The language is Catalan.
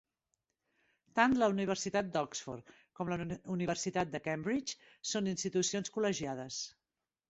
Tant la Universitat d'Oxford com la Universitat de Cambridge són institucions col·legiades.